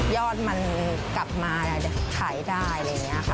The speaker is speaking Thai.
ยอดมันกลับมาขายได้อะไรอย่างนี้ค่ะ